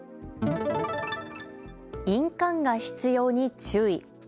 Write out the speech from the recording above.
印鑑が必要に注意。